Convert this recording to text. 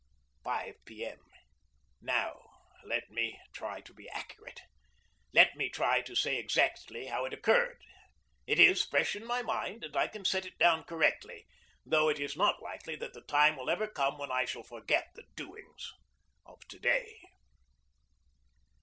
5 P. M. Now, let me try to be accurate. Let me try to say exactly how it occurred. It is fresh in my mind, and I can set it down correctly, though it is not likely that the time will ever come when I shall forget the doings of to day.